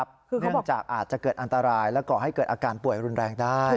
เนื่องจากอาจจะเกิดอันตรายและก่อให้เกิดอาการป่วยรุนแรงได้